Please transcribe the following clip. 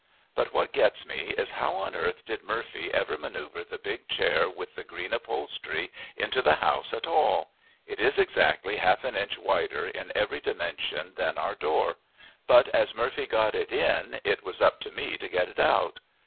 But what gets me is, how on earth did Murphy ever maneuver the big chair with the green upholstery into the house at all? It is exactly half an inch wider in every dimension than our door but as Murphy got it in it was up to me to get it out.